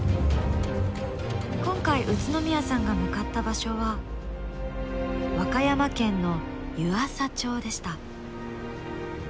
今回宇都宮さんが向かった場所は和歌山県の湯浅町でした。